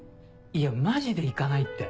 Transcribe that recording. いやマジで行かないって。